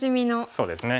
そうですね。